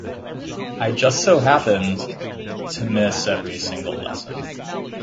I just so happened to miss every single lesson.